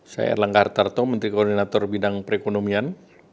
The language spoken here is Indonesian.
saya erlang gartarto menteri koordinator bidang perekonomian